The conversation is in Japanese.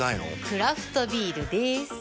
クラフトビールでーす。